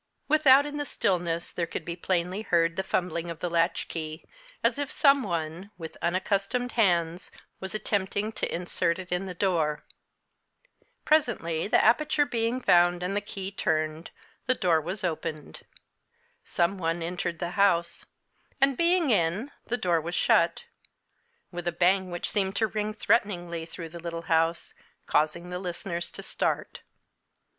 Without in the stillness, there could be plainly heard the fumbling of the latchkey, as if some one, with unaccustomed hands, was attempting to insert it in the door. Presently, the aperture being found, and the key turned, the door was opened. Some one entered the house; and, being in, the door was shut with a bang which seemed to ring threateningly through the little house, causing the listeners to start.